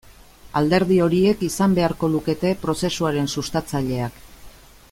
Alderdi horiek izan beharko lukete prozesuaren sustatzaileak.